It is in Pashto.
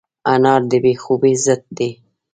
انار د بې خوبۍ ضد دی.